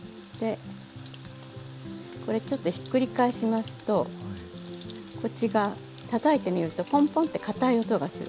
これちょっとひっくり返しますとこっちがたたいてみるとポンポンってかたい音がするんですね。